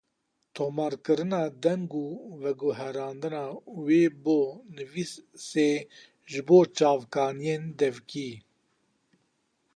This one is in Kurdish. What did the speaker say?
Tomarkirina deng û veguherandina wê bo nivîsê ji bo çavkaniyên devkî